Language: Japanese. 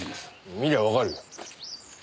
見りゃわかるよ。